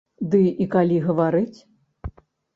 Ды, і калі гаварыць?